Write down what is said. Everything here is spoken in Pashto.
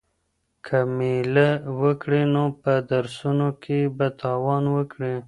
که مېله وکړې نو په درسونو کې به تاوان وکړې.